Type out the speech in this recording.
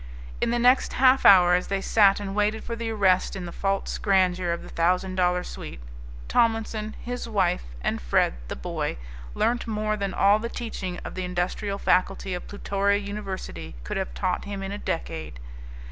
In the next half hour as they sat and waited for the arrest in the false grandeur of the thousand dollar suite Tomlinson, his wife, and Fred the boy learnt more than all the teaching of the industrial faculty of Plutoria University could have taught him in a decade.